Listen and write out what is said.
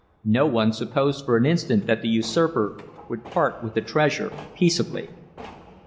No one supposed for an instant that the usurper would part with the treasure peaceably.